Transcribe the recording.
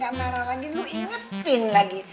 gak marah lagi lu ingetin lagi